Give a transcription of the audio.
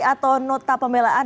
atau nota pembelaan